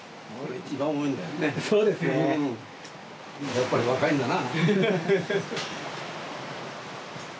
やっぱり若いんだな。